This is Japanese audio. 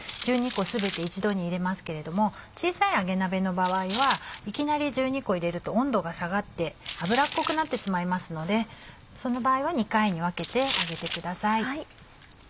１２個全て一度に入れますけれども小さい揚げ鍋の場合はいきなり１２個入れると温度が下がって油っこくなってしまいますのでその場合は２回に分けて揚げてください。